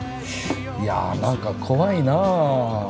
いやなんか怖いな。